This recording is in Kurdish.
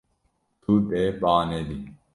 Tu dê ba nedî.